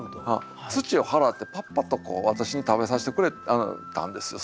土を払ってパッパと私に食べさしてくれたんですよ